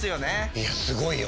いやすごいよ